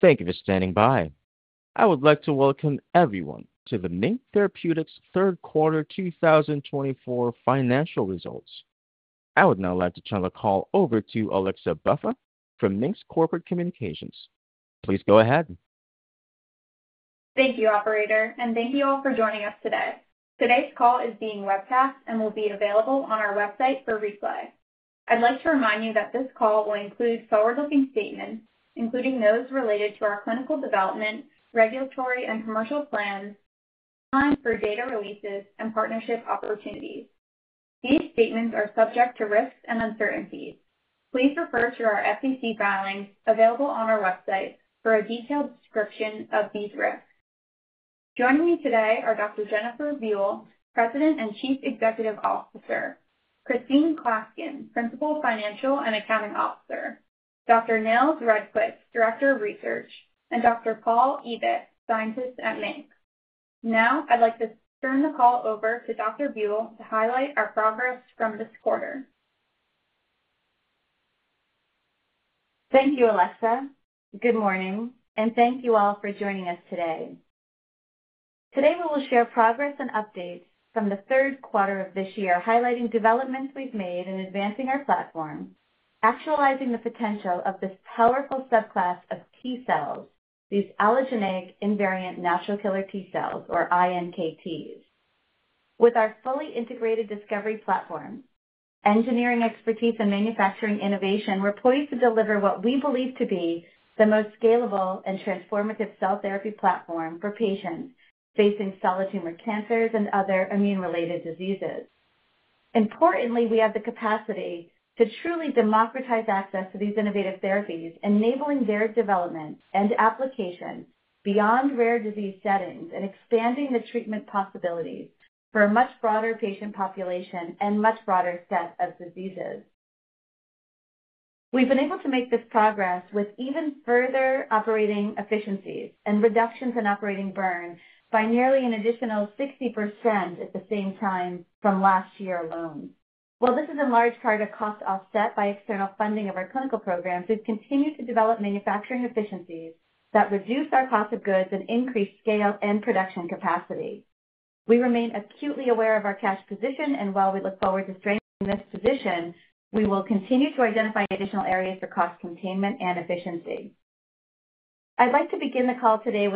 Thank you for standing by. I would like to welcome everyone to the MiNK Therapeutics third quarter 2024 financial results. I would now like to turn the call over to Alexa Buffa from MiNK's Corporate Communications. Please go ahead. Thank you, Operator, and thank you all for joining us today. Today's call is being webcast and will be available on our website for replay. I'd like to remind you that this call will include forward-looking statements, including those related to our clinical development, regulatory and commercial plans, time for data releases, and partnership opportunities. These statements are subject to risks and uncertainties. Please refer to our SEC filings available on our website for a detailed description of these risks. Joining me today are Dr. Jennifer Buell, President and Chief Executive Officer, Christine Klaskin, Principal Financial and Accounting Officer, Dr. Nils-Petter Rudqvist, Director of Research, and Dr. Paul Ibbett, Scientist at MiNK. Now, I'd like to turn the call over to Dr. Buell to highlight our progress from this quarter. Thank you, Alexa. Good morning, and thank you all for joining us today. Today, we will share progress and updates from the third quarter of this year, highlighting developments we've made in advancing our platform, actualizing the potential of this powerful subclass of T cells, these allogeneic invariant natural killer T cells, or iNKTs. With our fully integrated discovery platform, engineering expertise, and manufacturing innovation, we're poised to deliver what we believe to be the most scalable and transformative cell therapy platform for patients facing solid tumor cancers and other immune-related diseases. Importantly, we have the capacity to truly democratize access to these innovative therapies, enabling their development and application beyond rare disease settings and expanding the treatment possibilities for a much broader patient population and much broader set of diseases. We've been able to make this progress with even further operating efficiencies and reductions in operating burn by nearly an additional 60% at the same time from last year alone. While this is in large part a cost offset by external funding of our clinical programs, we've continued to develop manufacturing efficiencies that reduce our cost of goods and increase scale and production capacity. We remain acutely aware of our cash position, and while we look forward to strengthening this position, we will continue to identify additional areas for cost containment and efficiency. I'd like to begin the call today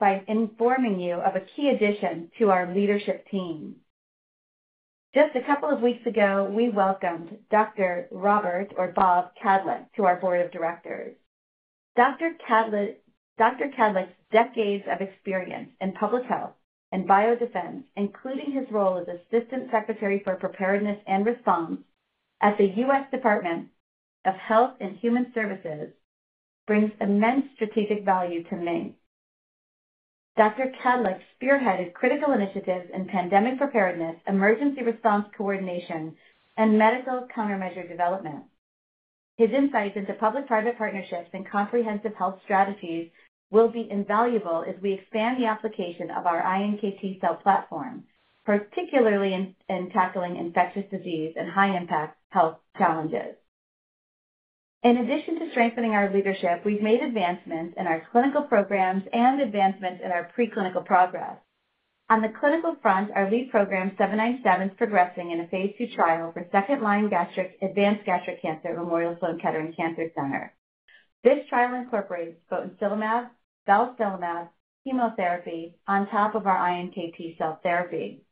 by informing you of a key addition to our leadership team. Just a couple of weeks ago, we welcomed Dr. Robert, or Bob, Kadlec to our board of directors. Dr. Kadlec's decades of experience in public health and biodefense, including his role as Assistant Secretary for Preparedness and Response at the U.S. Department of Health and Human Services, brings immense strategic value to MiNK. Dr. Kadlec spearheaded critical initiatives in pandemic preparedness, emergency response coordination, and medical countermeasure development. His insights into public-private partnerships and comprehensive health strategies will be invaluable as we expand the application of our iNKT cell platform, particularly in tackling infectious disease and high-impact health challenges. In addition to strengthening our leadership, we've made advancements in our clinical programs and advancements in our preclinical progress. On the clinical front, our lead program, 797, is progressing in a phase two trial for second-line advanced gastric cancer at Memorial Sloan Kettering Cancer Center. This trial incorporates botensilimab, balstilimab, chemotherapy on top of our iNKT cell therapy.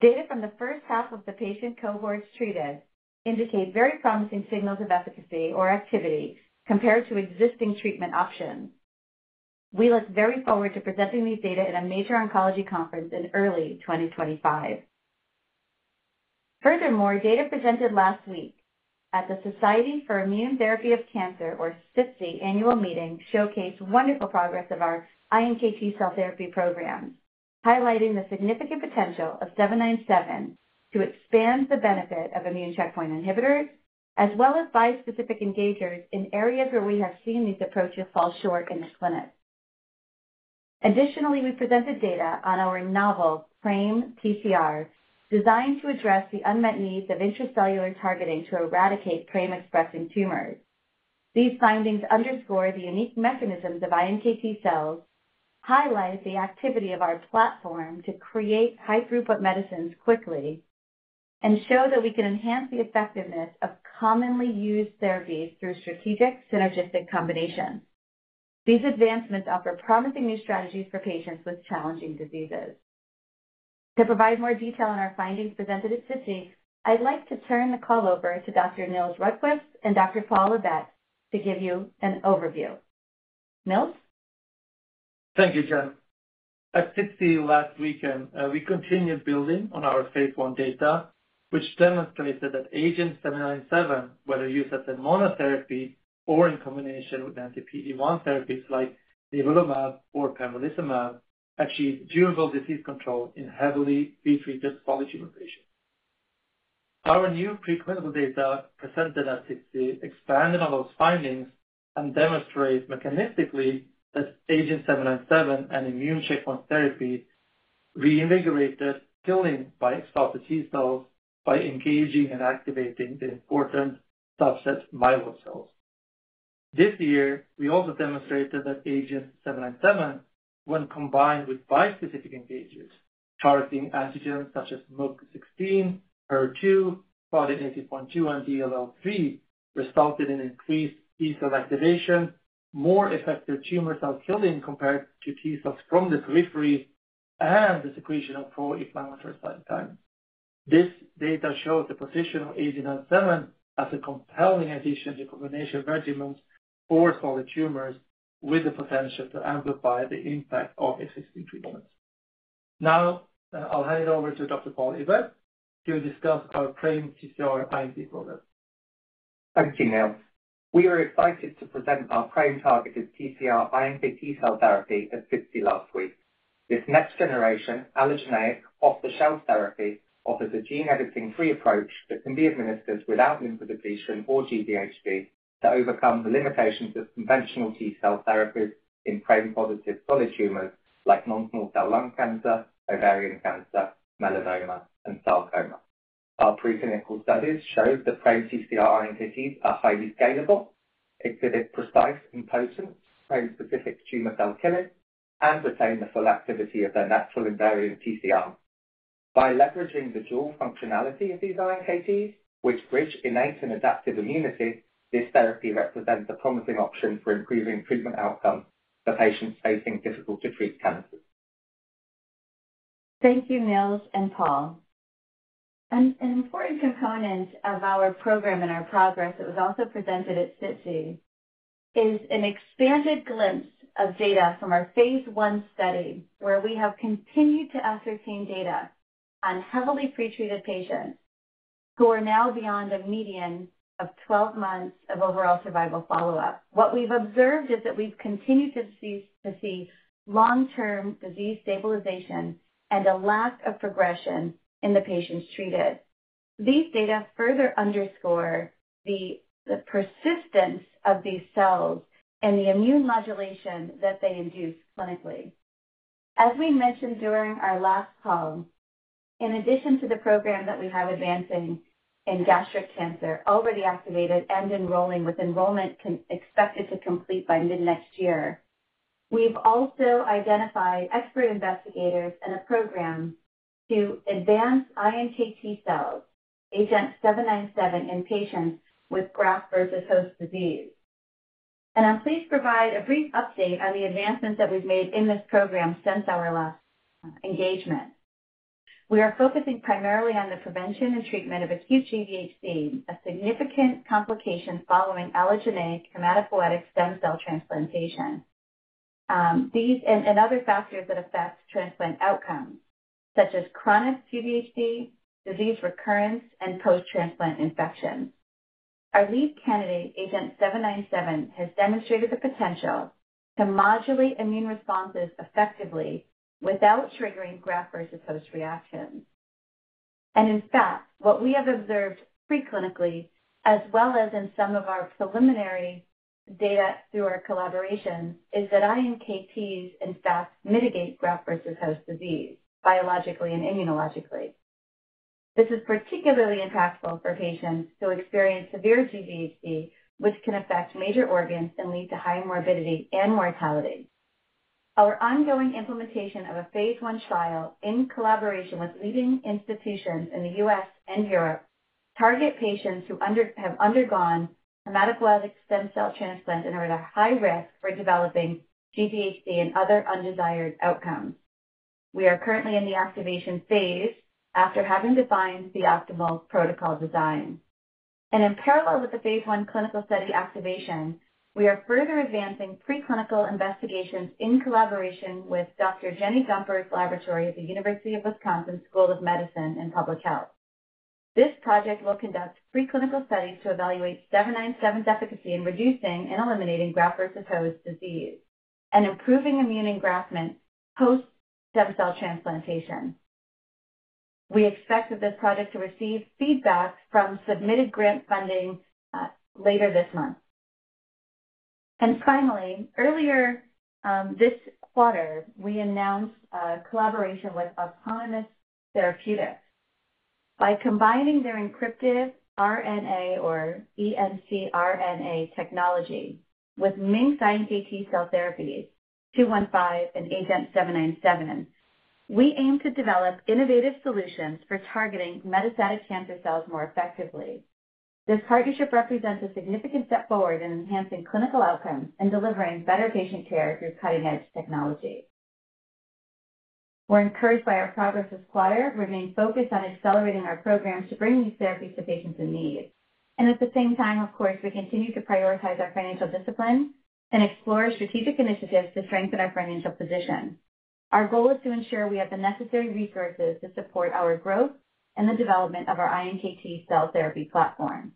Data from the first half of the patient cohorts treated indicate very promising signals of efficacy or activity compared to existing treatment options. We look very forward to presenting these data at a major oncology conference in early 2025. Furthermore, data presented last week at the Society for Immunotherapy of Cancer, or SITC, annual meeting showcased wonderful progress of our iNKT cell therapy programs, highlighting the significant potential of 797 to expand the benefit of immune checkpoint inhibitors, as well as bispecific engagers in areas where we have seen these approaches fall short in the clinic. Additionally, we presented data on our novel PRAME-TCR iNKT, designed to address the unmet needs of intracellular targeting to eradicate PRAME-expressing tumors. These findings underscore the unique mechanisms of iNKT cells, highlight the activity of our platform to create high-throughput medicines quickly, and show that we can enhance the effectiveness of commonly used therapies through strategic synergistic combinations. These advancements offer promising new strategies for patients with challenging diseases. To provide more detail on our findings presented at SITC, I'd like to turn the call over to Dr. Nils-Petter Rudqvist and Dr. Paul Ibbett to give you an overview. Nils? Thank you, Jen. At SITC last weekend, we continued building on our phase one data, which demonstrated that agenT-797, whether used as a monotherapy or in combination with anti-PD-1 therapies like nivolumab or pembrolizumab, achieves durable disease control in heavily pretreated solid tumor patients. Our new preclinical data presented at SITC expanded on those findings and demonstrates mechanistically that agenT-797 and immune checkpoint therapy reinvigorated killing by exhausted T cells by engaging and activating the important subset myeloid cells. This year, we also demonstrated that agenT-797, when combined with bispecific engagers targeting antigens such as MUC16, HER2, CLDN18.2, and DLL3, resulted in increased T cell activation, more effective tumor cell killing compared to T cells from the periphery, and the secretion of pro-inflammatory cytokines. This data shows the position of agenT-797 as a compelling addition to combination regimens for solid tumors with the potential to amplify the impact of existing treatments. Now, I'll hand it over to Dr. Paul Ibbett to discuss our PRAME-TCR iNKT program. Thank you, Nils. We were excited to present our PRAME-targeted TCR iNKT cell therapy at SITC last week. This next-generation allogeneic off-the-shelf therapy offers a gene-editing-free approach that can be administered without lymphodepletion or GVHD to overcome the limitations of conventional T cell therapies in PRAME-positive solid tumors like non-small cell lung cancer, ovarian cancer, melanoma, and sarcoma. Our preclinical studies show that PRAME TCR iNKTs are highly scalable, exhibit precise and potent PRAME-specific tumor cell killing, and retain the full activity of their natural invariant TCR. By leveraging the dual functionality of these iNKTs, which bridge innate and adaptive immunity, this therapy represents a promising option for improving treatment outcomes for patients facing difficult-to-treat cancers. Thank you, Nils and Paul. An important component of our program and our progress that was also presented at SITC is an expanded glimpse of data from our phase one study, where we have continued to ascertain data on heavily pretreated patients who are now beyond a median of 12 months of overall survival follow-up. What we've observed is that we've continued to see long-term disease stabilization and a lack of progression in the patients treated. These data further underscore the persistence of these cells and the immune modulation that they induce clinically. As we mentioned during our last call, in addition to the program that we have advancing in gastric cancer, already activated and enrolling with enrollment expected to complete by mid-next year, we've also identified expert investigators and a program to advance iNKT cell agenT-797 in patients with graft-versus-host disease. I'm pleased to provide a brief update on the advancements that we've made in this program since our last engagement. We are focusing primarily on the prevention and treatment of acute GVHD, a significant complication following allogeneic hematopoietic stem cell transplantation, and other factors that affect transplant outcomes, such as chronic GVHD, disease recurrence, and post-transplant infections. Our lead candidate, agenT-797, has demonstrated the potential to modulate immune responses effectively without triggering graft-versus-host reactions. In fact, what we have observed preclinically, as well as in some of our preliminary data through our collaboration, is that iNKTs in fact mitigate graft-versus-host disease biologically and immunologically. This is particularly impactful for patients who experience severe GVHD, which can affect major organs and lead to high morbidity and mortality. Our ongoing implementation of a phase one trial in collaboration with leading institutions in the U.S. and Europe targets patients who have undergone hematopoietic stem cell transplant and are at a high risk for developing GVHD and other undesired outcomes. We are currently in the activation phase after having defined the optimal protocol design. And in parallel with the phase one clinical study activation, we are further advancing preclinical investigations in collaboration with Dr. Jenny Gumperz's laboratory at the University of Wisconsin School of Medicine and Public Health. This project will conduct preclinical studies to evaluate 797 efficacy in reducing and eliminating graft versus host disease and improving immune engraftment post-stem cell transplantation. We expect that this project to receive feedback from submitted grant funding later this month. And finally, earlier this quarter, we announced collaboration with Autonomous Therapeutics. By combining their encrypted RNA, or encRNA, technology with MiNK iNKT cell therapies, 215 and agenT-797, we aim to develop innovative solutions for targeting metastatic cancer cells more effectively. This partnership represents a significant step forward in enhancing clinical outcomes and delivering better patient care through cutting-edge technology. We're encouraged by our progress this quarter to remain focused on accelerating our programs to bring these therapies to patients in need. And at the same time, of course, we continue to prioritize our financial discipline and explore strategic initiatives to strengthen our financial position. Our goal is to ensure we have the necessary resources to support our growth and the development of our iNKT cell therapy platform.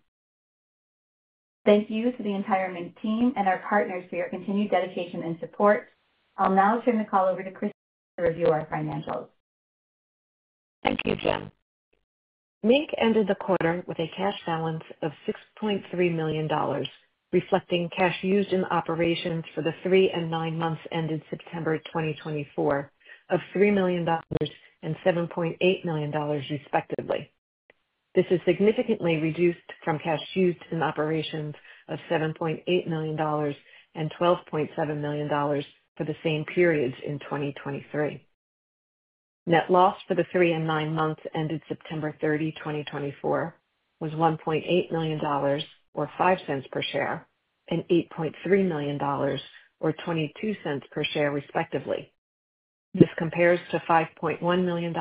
Thank you to the entire MiNK team and our partners for your continued dedication and support. I'll now turn the call over to Christine to review our financials. Thank you, Jen. MiNK ended the quarter with a cash balance of $6.3 million, reflecting cash used in operations for the three and nine months ended September 2024 of $3 million and $7.8 million, respectively. This is significantly reduced from cash used in operations of $7.8 million and $12.7 million for the same periods in 2023. Net loss for the three and nine months ended September 30, 2024, was $1.8 million, or $0.05 per share, and $8.3 million, or $0.22 per share, respectively. This compares to $5.1 million,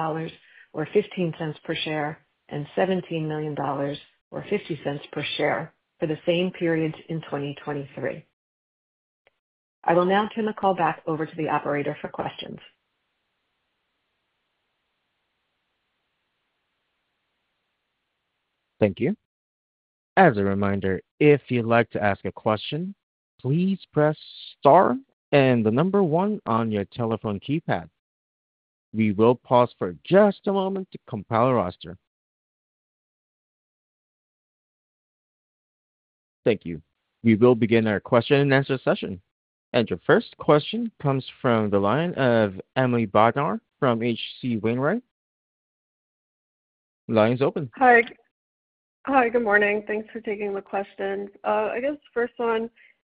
or $0.15 per share, and $17 million, or $0.50 per share for the same periods in 2023. I will now turn the call back over to the operator for questions. Thank you. As a reminder, if you'd like to ask a question, please press star and the number one on your telephone keypad. We will pause for just a moment to compile a roster. Thank you. We will begin our question and answer session. And your first question comes from the line of Emily Bodnar from H.C. Wainwright. Line's open. Hi. Hi. Good morning. Thanks for taking the question. I guess first one,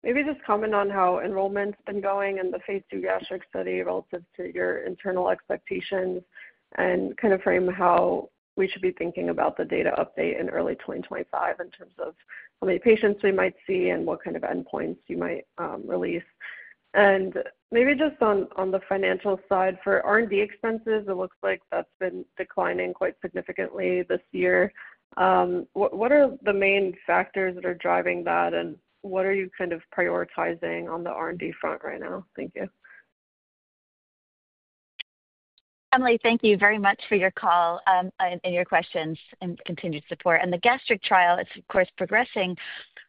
maybe just comment on how enrollment's been going and the phase 2 gastric study relative to your internal expectations and kind of frame how we should be thinking about the data update in early 2025 in terms of how many patients we might see and what kind of endpoints you might release? And maybe just on the financial side, for R&D expenses, it looks like that's been declining quite significantly this year. What are the main factors that are driving that, and what are you kind of prioritizing on the R&D front right now? Thank you. Emily, thank you very much for your call and your questions and continued support. The gastric trial is, of course, progressing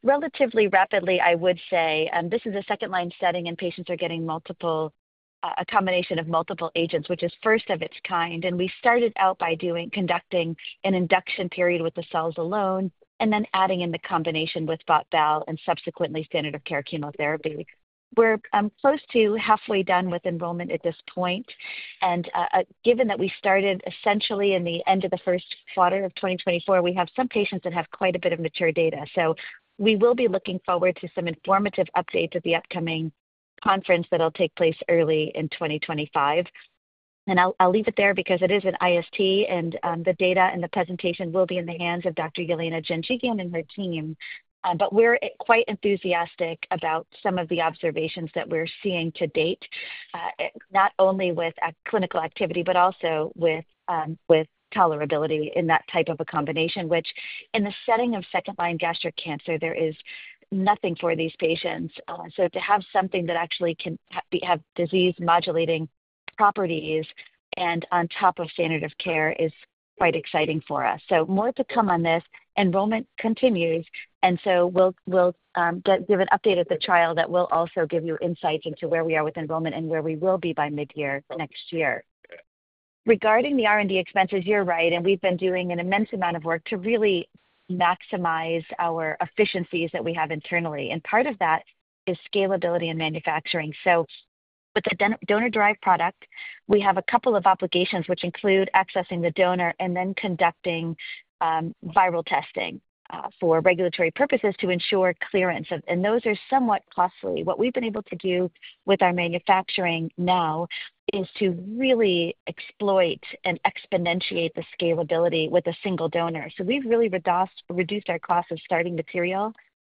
relatively rapidly, I would say. This is a second-line setting, and patients are getting a combination of multiple agents, which is first of its kind. We started out by conducting an induction period with the cells alone and then adding in the combination with botensilimab and balstilimab and subsequently standard of care chemotherapy. We're close to halfway done with enrollment at this point. Given that we started essentially in the end of the first quarter of 2024, we have some patients that have quite a bit of mature data. We will be looking forward to some informative updates at the upcoming conference that will take place early in 2025. I'll leave it there because it is at SITC, and the data and the presentation will be in the hands of Dr. Yelena Janjigian and her team. But we're quite enthusiastic about some of the observations that we're seeing to date, not only with clinical activity, but also with tolerability in that type of a combination, which in the setting of second-line gastric cancer, there is nothing for these patients. So to have something that actually can have disease-modulating properties and on top of standard of care is quite exciting for us. So more to come on this. Enrollment continues. And so we'll give an update at the trial that will also give you insights into where we are with enrollment and where we will be by mid-year next year. Regarding the R&D expenses, you're right, and we've been doing an immense amount of work to really maximize our efficiencies that we have internally. And part of that is scalability and manufacturing. So with the donor-derived product, we have a couple of obligations, which include accessing the donor and then conducting viral testing for regulatory purposes to ensure clearance. And those are somewhat costly. What we've been able to do with our manufacturing now is to really exploit and exponentiate the scalability with a single donor. So we've really reduced our cost of starting material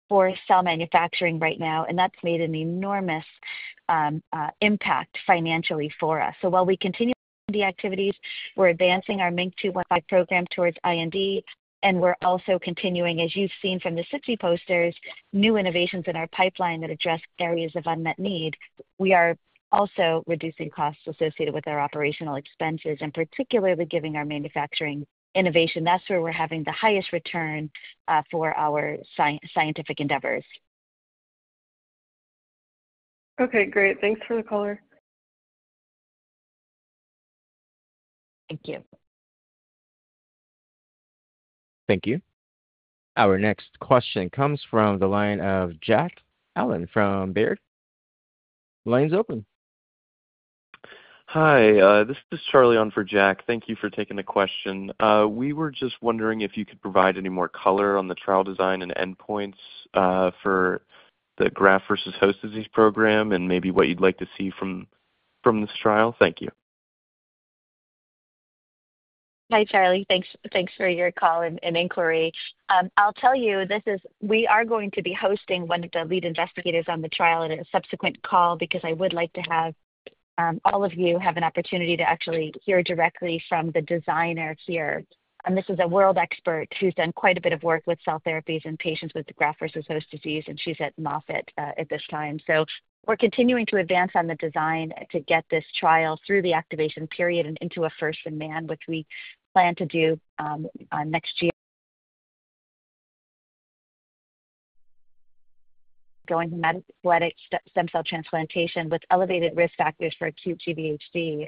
for cell manufacturing right now, and that's made an enormous impact financially for us. So while we continue the activities, we're advancing our MiNK-215 program towards IND, and we're also continuing, as you've seen from the SITC posters, new innovations in our pipeline that address areas of unmet need. We are also reducing costs associated with our operational expenses and particularly giving our manufacturing innovation. That's where we're having the highest return for our scientific endeavors. Okay, great. Thanks for the caller. Thank you. Thank you. Our next question comes from the line of Jack Allen from Baird. Line's open. Hi. This is Charlie on for Jack. Thank you for taking the question. We were just wondering if you could provide any more color on the trial design and endpoints for the Graft-versus-host disease program and maybe what you'd like to see from this trial. Thank you. Hi, Charlie. Thanks for your call and inquiry. I'll tell you, we are going to be hosting one of the lead investigators on the trial at a subsequent call because I would like to have all of you have an opportunity to actually hear directly from the designer here. This is a world expert who's done quite a bit of work with cell therapies in patients with graft-versus-host disease, and she's at Moffitt at this time. We're continuing to advance on the design to get this trial through the activation period and into a first-in-man, which we plan to do next year. Going hematopoietic stem cell transplantation with elevated risk factors for acute GVHD.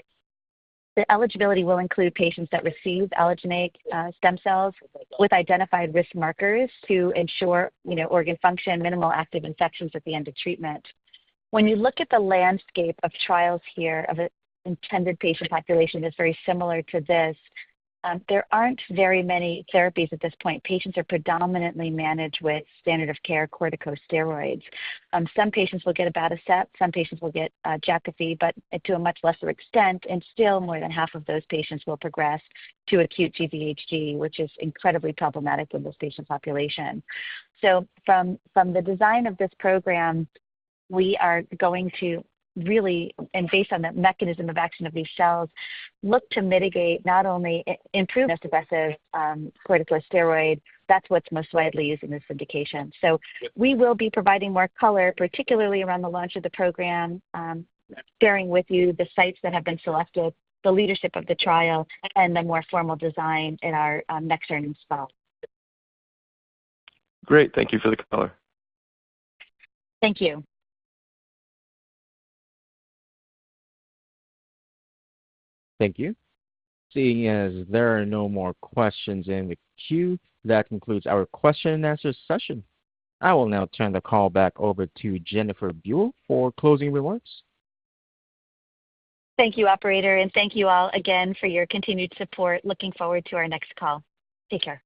The eligibility will include patients that receive allogeneic stem cells with identified risk markers to ensure organ function, minimal active infections at the end of treatment. When you look at the landscape of trials here of intended patient population, it's very similar to this. There aren't very many therapies at this point. Patients are predominantly managed with standard of care corticosteroids. Some patients will get abatacept, some patients will get Jakafi, but to a much lesser extent, and still more than half of those patients will progress to acute GVHD, which is incredibly problematic in this patient population. So from the design of this program, we are going to really, and based on the mechanism of action of these cells, look to mitigate not only improved aggressive corticosteroid. That's what's most widely used in this indication. So we will be providing more color, particularly around the launch of the program, sharing with you the sites that have been selected, the leadership of the trial, and the more formal design in our next earnings call. Great. Thank you for the color. Thank you. Thank you. Seeing as there are no more questions in the queue, that concludes our question and answer session. I will now turn the call back over to Jennifer Buell for closing remarks. Thank you, operator, and thank you all again for your continued support. Looking forward to our next call. Take care.